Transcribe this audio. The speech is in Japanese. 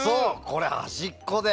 これ、端っこで。